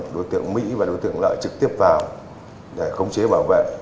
đối tượng mỹ và đối tượng lợi trực tiếp vào để khống chế bảo vệ